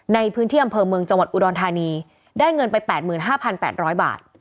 ในพื้นที่อำเภอเมืองจังหวัดอุดรธานีได้เงินไปแปดหมื่นห้าพันแปดร้อยบาท